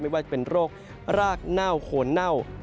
ไม่ว่าจะเป็นโรครากเน่าโคนเน่า